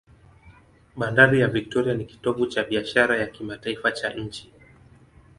Bandari ya Victoria ni kitovu cha biashara ya kimataifa cha nchi.